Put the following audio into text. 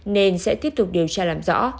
nên sẽ tiếp tục điều tra làm rõ